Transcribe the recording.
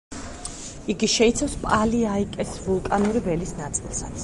იგი შეიცავს პალი-აიკეს ვულკანური ველის ნაწილსაც.